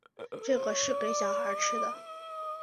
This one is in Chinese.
这个是给小孩吃的